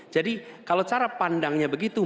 jadi kalau cara pandangnya begitu